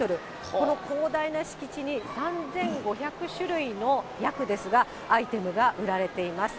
この広大な敷地に３５００種類の、約ですが、アイテムが売られています。